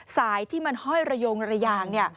สายที่มันห้อยระยงระย่าง